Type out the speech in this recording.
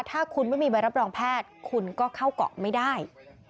ถ้าคุณไม่มีใบรับรองแพทย์คุณก็เข้าเกาะไม่ได้